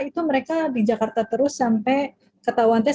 itu mereka di jakarta terus sampai ketahuan tes